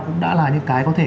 cũng đã là những cái có thể